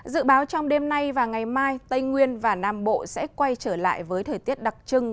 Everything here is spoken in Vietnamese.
dự báo trong đêm nay và ngày mai tây nguyên và nam bộ sẽ quay trở lại với thời tiết đặc trưng